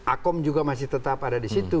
akom juga masih tetap ada di situ